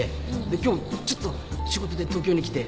で今日ちょっと仕事で東京に来て。